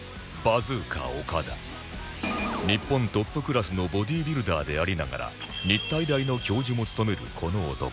日本トップクラスのボディビルダーでありながら日体大の教授も務めるこの男